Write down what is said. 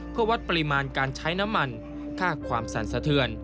เพื่อวัดปริมาณการใช้น้ำมันค่าความสั่นสะเทือน